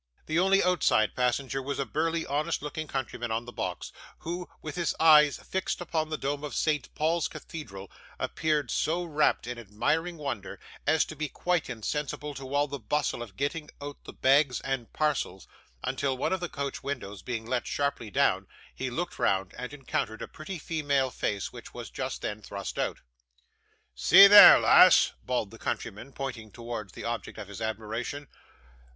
The only outside passenger was a burly, honest looking countryman on the box, who, with his eyes fixed upon the dome of St Paul's Cathedral, appeared so wrapt in admiring wonder, as to be quite insensible to all the bustle of getting out the bags and parcels, until one of the coach windows being let sharply down, he looked round, and encountered a pretty female face which was just then thrust out. 'See there, lass!' bawled the countryman, pointing towards the object of his admiration.